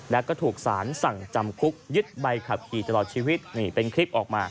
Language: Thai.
แล้วก็ถูกสารสั่งจำคุกยึดใบขับขี่ตลอดชีวิตนี่เป็นคลิปออกมา